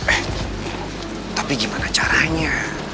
eh tapi gimana caranya